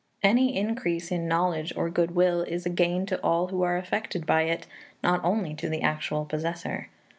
Any increase in knowledge or good will is a gain to all who are affected by it, not only to the actual possessor.